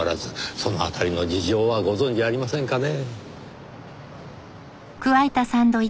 その辺りの事情はご存じありませんかね？